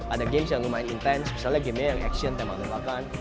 ada game yang lumayan intens misalnya game nya yang action teman teman